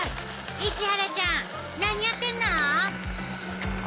石原ちゃん、何やってんの？